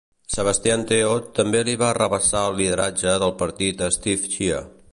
Sebastian Teo també li va arrabassar el lideratge del partit a Steve Chia.